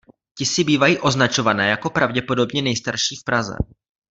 Tisy bývají označované jako pravděpodobně nejstarší v Praze.